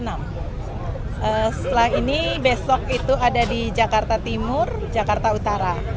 setelah ini besok itu ada di jakarta timur jakarta utara